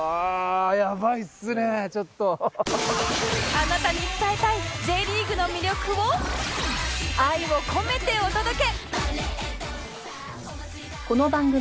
あなたに伝えたい Ｊ リーグの魅力を愛を込めてお届け！